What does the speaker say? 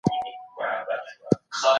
ښځې د ټولنې نیمه برخه ده.